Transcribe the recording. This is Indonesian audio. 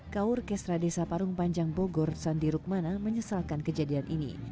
kau orkestra desa parung panjang bogor sandi rukmana menyesalkan kejadian ini